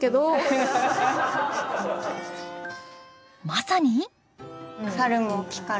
まさに。